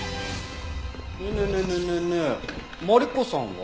ねえねえねえねえねえねえマリコさんは？